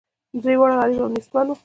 درې واړه غریب او نیستمن وه.